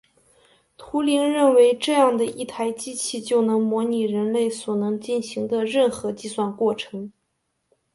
图灵认为这样的一台机器就能模拟人类所能进行的任何计算过程。